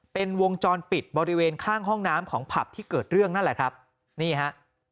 เป็นวงจรปิดบริเวณข้างห้องน้ำของผับที่เกิดเรื่องนั่นแหละครับนี่ฮะ